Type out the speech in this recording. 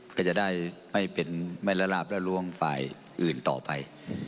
ก็จะได้ไม่เป็นไม่ละลาบละล้วงฝ่ายอื่นต่อไป